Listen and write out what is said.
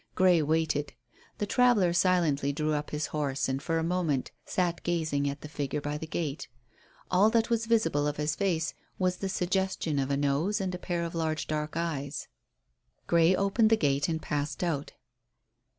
Grey waited. The traveller silently drew up his horse, and for a moment sat gazing at the figure by the gate. All that was visible of his face was the suggestion of a nose and a pair of large dark eyes. Grey opened the gate and passed out.